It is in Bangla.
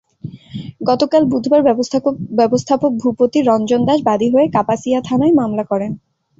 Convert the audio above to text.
গতকাল বুধবার ব্যবস্থাপক ভূপতি রঞ্জন দাস বাদী হয়ে কাপাসিয়া থানায় মামলা করেন।